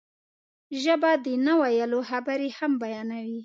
ژبه د نه ویلو خبرې هم بیانوي